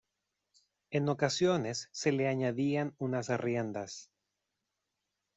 En ocasiones se le añadían unas riendas.